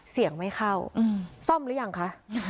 ไม่เข้าซ่อมหรือยังคะ